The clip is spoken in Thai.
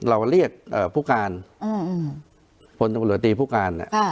เราเรียกผู้การปรวตรวรตรีผู้การ